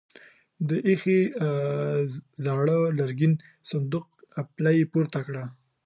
د ايښې زاړه لرګين صندوق پله يې پورته کړه.